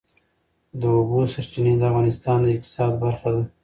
د اوبو سرچینې د افغانستان د اقتصاد برخه ده.